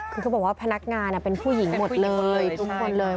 คือเขาบอกว่าพนักงานเป็นผู้หญิงหมดเลยทุกคนเลย